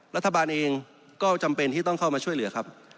รัฐบาลเองก็จำเป็นที่ต้องเข้ามาช่วยเหลือครับ